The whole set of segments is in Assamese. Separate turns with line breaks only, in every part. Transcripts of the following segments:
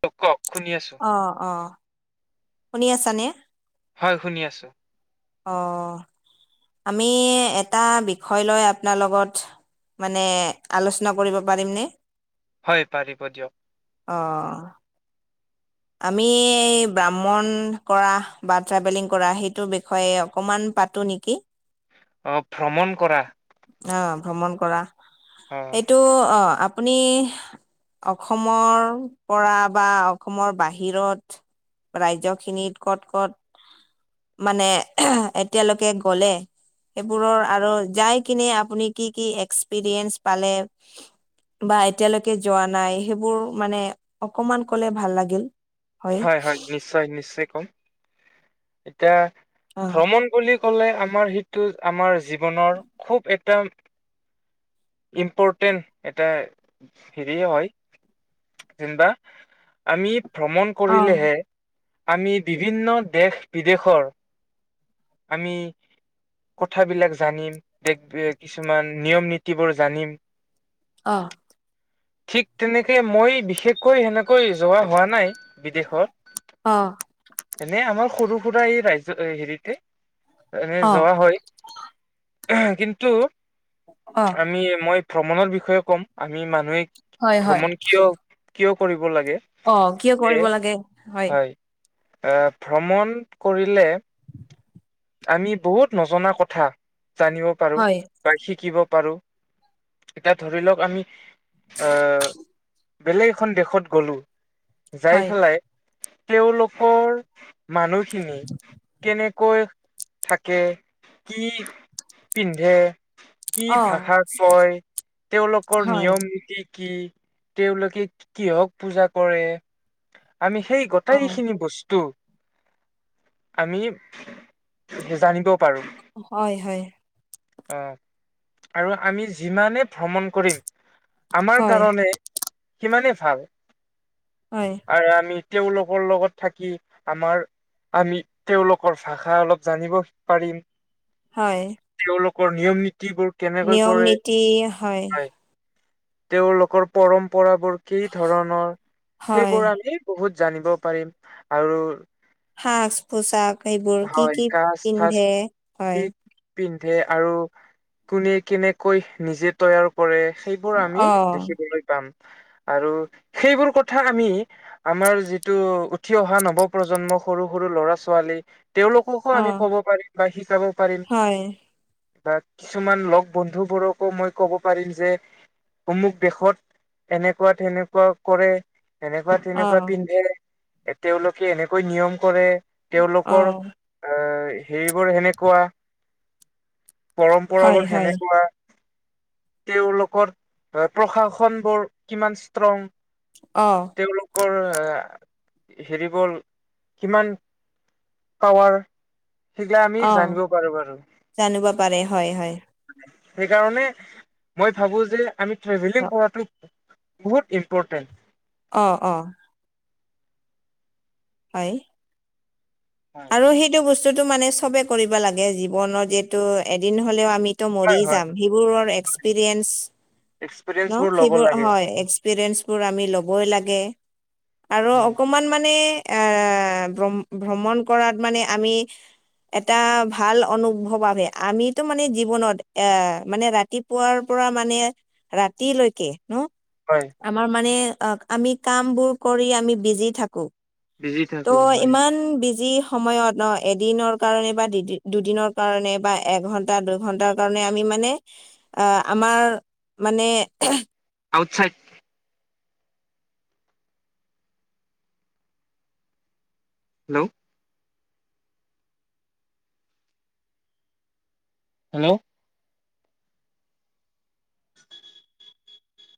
কওক কওক, শুনি আছোঁ।
অহ অহ, শুনি আছানে?
হয়, শুনি আছোঁ।
অহ, আমি এটা বিষয় লৈ আপোনাৰ লগত মানে আলোচনা কৰিব পাৰিম নে?
হয়, পাৰিব দিয়ক।
অহ আমি ব্ৰাহ্মণ কৰা বা ট্ৰেভেলিং কৰা সেইটোৰ বিষয়ে অকণমান টো নেকি?
অহ ভ্ৰমণ কৰা।
অ ভ্ৰমণ কৰা,
অ
এইটো অহ আপুনি অসমৰ পৰা বা অসমৰ বাহিৰত ৰাজ্য খিনিত কত কত মানে এতিয়ালৈকে গলে সেইবোৰৰ আৰু যাই কিনে আপুনি কি কি এক্সপিৰিয়েঞ্চ পালে বা এতিয়ালৈকে যোৱা নাই, সেইবোৰ মানে অকমান কলে ভাল লাগিল।
হয় হয় নিশ্চয় নিশ্চয় কম, এতিয়া
অ
ভ্ৰমণ বুলি কলে আমাৰ সেইটো আমাৰ জীৱনৰ খুব এটা ইম্পৰ্টেণ্ট এটা হেৰি হয়। যেনিবা আমি ভ্ৰমণ
অ
কৰিলেহে আমি বিভিন্ন দেশ বিদেশৰ আমি কথাবিলাক জানিম। কিছুমান নিয়ম নীতিবোৰ জানিম।
অহ
ঠিক তেনেকে মই বিশেষকৈ সেনেকৈ যোৱা হোৱা নাই। বিদেশত
অ
এনে আমাৰ সৰু সুৰা এই ৰাজ্য হেৰিতে এনে
অ
যোৱা হয়। কিন্তু
অ
আমি মই ভ্ৰমণৰ বিষয়ে কম, আমি মানুহে
হয় হয়
ভ্ৰমণ কিয় কিয় কৰিব লাগে।
অ কিয় কৰিব লাগে, হয়।
এ ভ্ৰমণ কৰিলে। আমি বহুত নজনা কথা জানিব পাৰো।
হয়
বা শিকিব পাৰো এতিয়া ধৰি লওক আমি আহ। বেলেগ এখন দেশত গলোঁ, যাই
হয়
পেলাই। তেওঁলোকৰ মানুহখিনি কেনে কৈ থাকে, কি পিন্ধে কি
অ
ভাষা কয়, তেওঁলোকৰ
হয়
নিয়ম নীতি কি? তেওঁলোকে কিহক পূজা কৰে আমি সেই
অ
গোটেই খিনি বস্ত- টো আমি ভেজানিব পাৰো।
হয় হয়।
অ আৰু আমি যিমানে ভ্ৰমণ কৰিম। আমাৰ
হয়
কাৰণে সিমানেই ভাল।
হয়।
আৰু আমি তেওঁলোকৰ লগত থাকি আমাৰ আমি তেওঁলোকৰ ভাষা অলপ জানিব পাৰিম।
হয়।
তেওঁলোকৰ নিয়ম নীতিবোৰ কেনেকৈ
নিয়ম
কৰে,
নীতি
হয়। তেওঁলোকৰ পৰম্পৰাবোৰ কি ধৰণৰ
হয়
সেইবোৰ আমি বহুত জানিব পাৰিম আৰু
সাচ পোচাক সেইবোৰ কি
হয়
কি
কাচ ফাচ
পিন্ধে
কি
হয়।
পিন্ধে আৰু কোনে কেনেকৈ নিজে তৈয়াৰ পৰে সেইবোৰ আমি
অ
দেখিবলৈ পাম আৰু সেইবোৰ কথা আমি আমাৰ যিটো উঠি অহা নৱ প্ৰজন্ম সৰু সৰু ল'ৰা ছোৱালী তেওঁলোককো
অ
আমি ক'ব পাৰিম বা শিকাব পাৰিম।
হয়
বা কিছুমান লগ বন্ধু বোৰকো মই ক'ব পাৰিম যে অমুক দেশত এনেকোৱা তেনেকোৱা কৰে। এনেকোৱা
অ
তেনেকোৱা পিন্ধে তেওঁলোকে এনেকৈ নিয়ম কৰে।
অ
তেওঁলোকৰ আ সেইবোৰ সেনেকোৱা
হয়
পৰম্পৰাবোৰ
হয়
সেনেকোৱা তেওঁলোকৰ প্ৰশাসন বোৰ কিমান ষ্ট্ৰং।
অ।
তেওঁলোকৰ হেৰি বোৰ কিমান পাৱাৰ সেইগিলা আমি
অ
জানিব পাৰো বাৰু।
জানিব পাৰে হয় হয়।
সেইকাৰণে মই ভাবো যে আমি ট্ৰেভেলিং কৰাটো বহুত ইম্পৰ্টেণ্ট।
অ অ। হয়।
হয়।
আৰু সেইটো বস্তুটো মানে সবে কৰিব লাগে জীৱনৰ যিহেতু এদিন হ'লেও আমি ত মৰি
হয়
যাম সেইবোৰৰ এক্সপেৰিয়েঞ্চ
এক্সপিৰিয়েঞ্চ
ন
বোৰ ল'ব
সেইবোৰ
লাগে
হয় এক্স- পেৰেঞ্চবোৰ আমি ল'বই লাগে আৰু অকণমান মানে এ ভ্ৰম ভ্ৰমণ কৰাত মানে আমি এটা ভাল অনুভৱ বাবে আমিতো মানে জীৱনত এ মানে ৰাতি পোৱাৰ পৰা মানে ৰাতিলৈকে ন
হয়।
আমাৰ মানে আক আমি কাম বোৰ কৰি আমি বিজি থাকো।
বিজি
ত
থাকো হয়
ইমান বিজি সময়ত অ এদিনৰ কাৰণে বা দু দুদিনৰ কাৰণে বা এঘন্টা দুইঘন্টা কাৰণে আমি মানে আমাৰ মানে
outside hello hello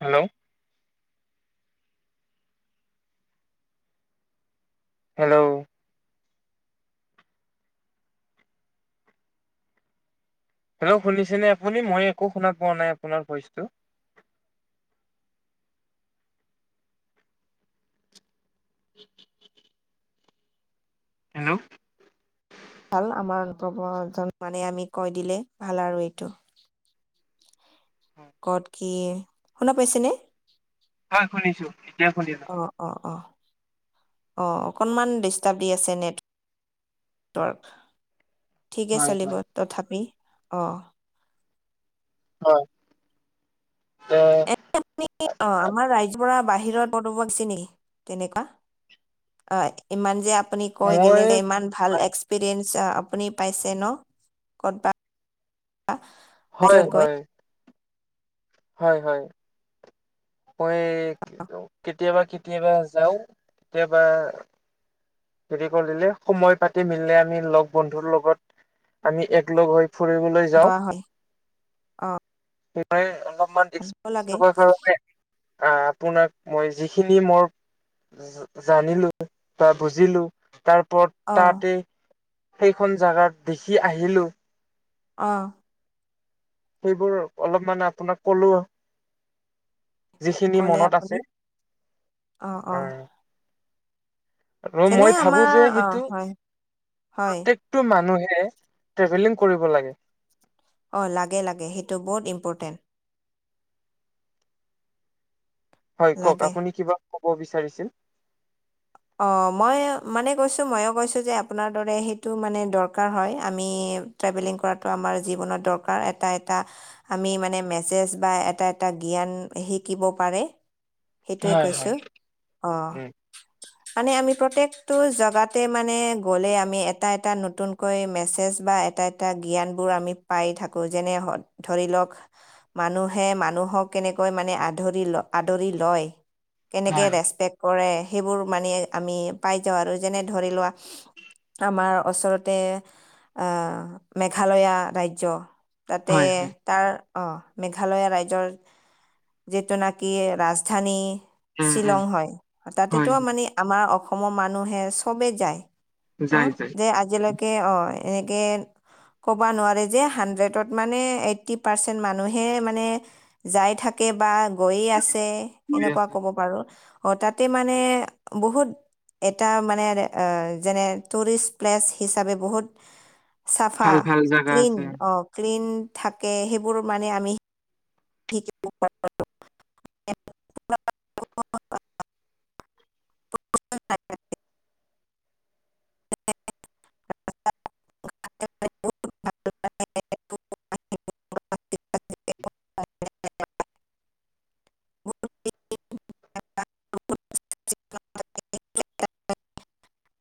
hello hello hello শুনিছে নে আপুনি মই একো শুনা পোৱা নাই আপোনাৰ ভইচটো? [unintelligible] হেল্ল
ভাল আমাৰ নতুন প্ৰজন্ম মানে আমি কৈ দিলে ভাল আৰু এইটো
হয়
কত কি শুনা পাইছেনে
হয় শুনিছো এতিয়া শুনিছো
অ অ অ অ অকণমান ডিষ্টাৰ্ব দি আছে নেট ঠিকে
হয়
চলিব
হয়
তথাপি অ
অ তে
এ অ আমাৰ ৰাইজবোৰৰ বাহিৰত বহিব দিছে নি তেনেকোৱা অ ইমান যে আপুনি কৈ গেলে
মই
ইমান ভাল এক্সপিৰিয়েঞ্চ আপুনি পাইছে ন কত বা
হয় হয় হয় হয় মই কেতিয়াবা কেতিয়াবা যাওঁ কেতিয়াবা হেৰি কৰিলে সময় পাতি মিলিলে আমি লগ বন্ধুৰ লগত আমি এক লগ হৈ ফুৰিবলৈ যাওঁ
ডৰা হল অ।
মই অলপমান
ভাল লাগে
আ আপোনাক মই যিখিনি মই জা জানিলো। বা বুজিলো তাৰপৰত
অ
তাতে সেইখন জাগাত দেখি আহিলো।
অ।
সেইবোৰ অলপ মানে আপোনাক ক'লো যিখিনি
ক'লে
মনত আছে
আপুনি অ অ
উম আৰু
যেনে
মই ভাবো
আমাৰ
যে
অ
সেইটো
হয় হয়
প্ৰত্যক টো মানুহে ট্ৰেভেলিং কৰিব লাগে
অ লাগে লাগে সেইটো বহুত ইম্পৰ্টেণ্ট
হয় কওক
লাগে
আপুনি কিবা ক'ব বিচাৰিছিল
অ মই মানে কৈছো ময়ো কৈছো যে আপোনাৰ দৰে সেইটো মানে দৰকাৰ হয় আমি ট্ৰেভেলিং কৰাটো আমাৰ জীৱনত দৰকাৰ এটা এটা আমি মানে মেছেজ বা এটা এটা জ্ঞান শিকিব পাৰে সেইটোৱে
হয় হয়
কৈছো অ। মানে আমি প্ৰত্যয়েকটো জগাতে মানে গ'লে আমি এটা এটা নতুন কৈ মেছেজ বা এটা এটা জ্ঞান বোৰ আমি পাই থাকো যেনে ধৰি লওক মানুহে মানুহক কেনেকৈ মানে আধৰি ল আদৰি লয়। কেনেকে
হয়
ৰেচপেক্ট কৰে সেইবোৰ মানে আমি পাই যাওঁ আৰু যেনে ধৰি লোৱা। আমাৰ ওচৰতে আ মেঘালয়া ৰাজ্য তাতে।
হয় হয়
তাৰ অঁ মেঘালয়া ৰাইজৰ যিটো নাকি ৰাজধানী
উম উম
শ্বিলং হয় তাতেতো
হয়
মানে আমাৰ অসমৰ মানুহে চবে যায় অ
যায় যায়
যে আজিলৈক কে অ এনেকে ক'ব নোৱাৰে যে হাণ্ড্ৰেডত মানে এইট্ৰি পাৰ্চেণ্ট মানুহে মানে যাই থাকে বা গৈয়ে আছে
গৈ
এনেকুৱা
আছে
কব পাৰো। হঠাতে মানে বহুত। এটা মানে যেনে টুৰিষ্ট প্লেচ হিচাপে বহুত। চাফা
ভাল ভাল জাগা
ক্লিন
আছে
অ ক্লিন থাকে সেইবোৰ মানে আমি। [unintelligible] [unintelligible] [unintelligible] [unintelligible] [unintelligible]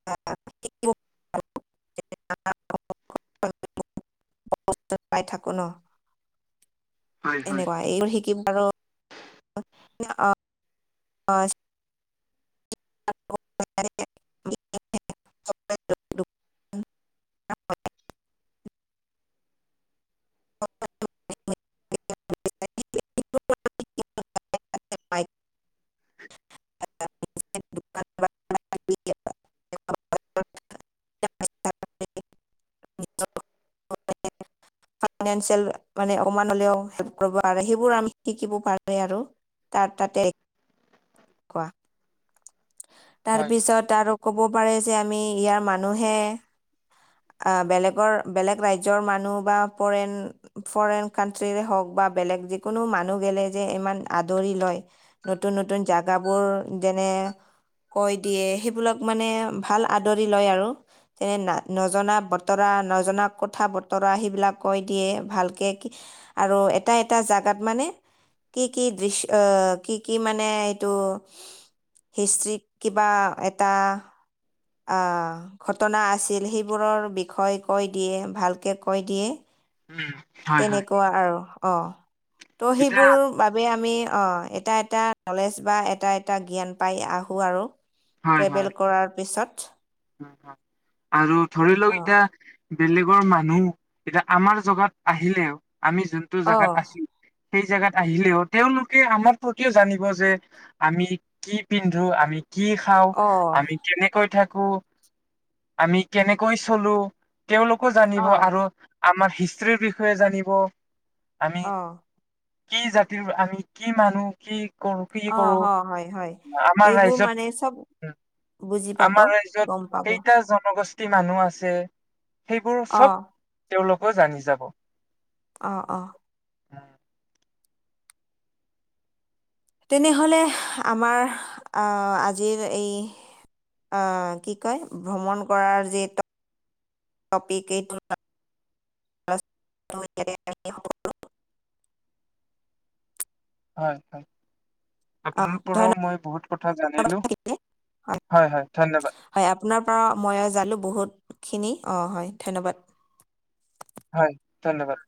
[unintelligible] ব্ৰক্ষ্মপুত্ৰত [unintelligible] পাই থাকো ন।
হয় হয়
এনেকুৱা এইবোৰ শিকিম আৰু অ অ। [unintelligible] [unintelligible] [unintelligible] টেপাইক [unintelligible] [unintelligible] [unintelligible] ফাইনিয়েনচেল মানে অকমান হ'লেও হেল্প কৰিব কাৰণে সেইবোৰ আমি শিকিব পাৰে আৰু। ত তাতে কোৱা
হয়
তাৰপিছত আৰু। ক'ব পাৰে যে আমি ইয়াৰ মানুহে। বেলেগৰ বেলেগ ৰাজ্যৰ মানুহ বা পৰেন। ফৰেইন কানট্ৰিৰে হওক বা বেলেগ যিকোনো মানুহ গেলে যে ইমান আদৰি লয়। নতুন নতুন জেগাবোৰ যেনে। কয় দিয়ে সেইবিলাক মানে ভাল আদৰি লয় আৰু। যেনে না নজনা বতৰা, নজনা কথা বতৰা সেইবিলাক কৈ দিয়ে ভালকে। আৰু এটা এটা জাগাত মানে কি কি দৃশ্য কি কি মানে টো হিষ্ট্ৰিক কিবা এটা আ ঘটনা আছিল সেইবোৰৰ বিষয়ে কৈ দিয়ে ভালকে কৈ দিয়ে।
উম হয় হয়
তেনেকুৱা আৰু অ ত'
এতিয়া
সেইবোৰ বাবে আমি অ এটা এটা নলেজ বা এটা এটা জ্ঞান পাই আহো আৰু।
হয়
ট্ৰেবেল
হয়
কৰাৰ পিছত।
আৰু ধৰি লওক
অঁ
এতিয়া। বেলেগৰ মানুহ এতিয়া আমাৰ জেগাত আহিলেও আমি যোনটো
অঁ
জেগাত আছোঁ। সেই জেগাত আহিলেও তেওঁলোকে আমাৰ প্ৰতিও জানিব যে। আমি কি পিন্ধো আমি কি খাওঁ
অঁ
আমি কেনেকৈ থাকো। আমি কেনেকৈ চলো তেওঁলোকো জানিব
অঁ
আৰু। আমাৰ হিষ্টৰিৰ বিষয়ে জানিব আমি।
অঁ
কি জাতিৰ আমি কি মানুহ কি কৰো কি
অ
কৰো
অ হয় হয়
আমাৰ
সেইবোৰ
ৰাজ্যত
মানে চব বুজি পাব
আমাৰ ৰাজ্যত
গম পাব
কেইটা জনগোষ্ঠী মানুহ আছে সেইবোৰ চব
অঁ
তেওঁলোকো জানি যাব
অহ অহ
উম
তেনেহ'লে আমাৰ আজিৰ এই অ কি কয় ভ্ৰমণ কৰাৰ যি টপিক এইটো টো ইয়াতে [unintelligible]
হয় হয়
অ
আপোনাৰ পৰাও
ধন্যবাদ
মই বহুত কথা জানিলো
থাকিলে
হয় হয় ধন্যবাদ
হয় আপোনাৰ পৰা মইয়ো জানিলো বহুতখিনি অহ হয় ধন্যবাদ
হয় ধন্যবাদ।